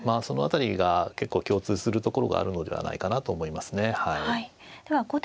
その辺りが結構共通するところがあるのではないかなと思いますねはい。